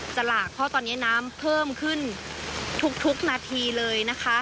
หลากเพราะตอนนี้น้ำเพิ่มขึ้นทุกนาทีเลยนะคะ